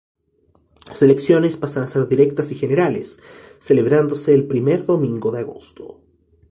Las elecciones pasan a ser directas y generales, celebrándose el primer domingo de agosto.